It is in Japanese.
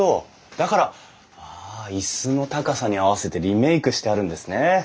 だから椅子の高さに合わせてリメークしてあるんですね。